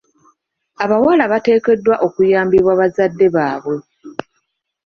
Abawala bateekeddwa okuyambibwa bazadde baabwe.